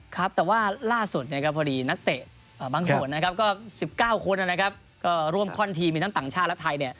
ครับแต่ว่าล่าสุดพอดีนักเตะบางส่วน๑๙คนร่วมค่อนทีมทั้งต่างชาติและไทย